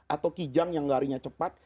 atau kijang yang larinya cepat